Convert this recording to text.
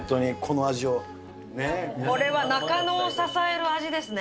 これは中野を支える味ですね。